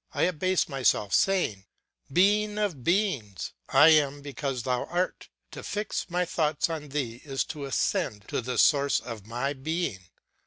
I abase myself, saying, "Being of beings, I am because thou art; to fix my thoughts on thee is to ascend to the source of my being.